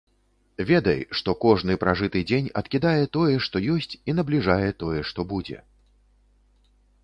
Ведай, што кожны пражыты дзень адкідае тое, што ёсць, і набліжае тое, што будзе.